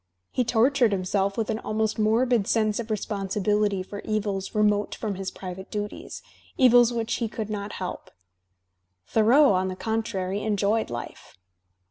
He tortured himself with an almost morbid sense of responsibility for evils remote from his private duties, evils which he could not help. Thoreau, on the contrary, enjoyed life.